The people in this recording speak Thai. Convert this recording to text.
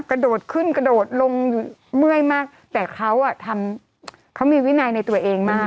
กระโดดขึ้นกระโดดลงเมื่อยมากแต่เขาอ่ะทำเขามีวินัยในตัวเองมาก